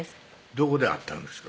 どこで会ったんですか？